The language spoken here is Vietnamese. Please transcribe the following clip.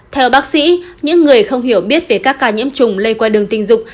theo bác sĩ những người không hiểu biết về các ca nhiễm trùng lây qua đường tình dục